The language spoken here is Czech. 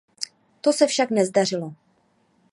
To se však nezdařilo.